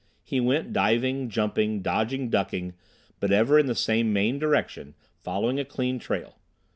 He went, diving, jumping, dodging, ducking, but ever in the same main direction, following a clean trail.